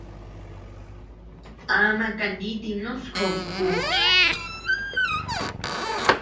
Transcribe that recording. Ama kanitinus jobeku.